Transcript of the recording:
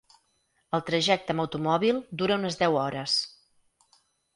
El trajecte amb automòbil dura unes deu hores.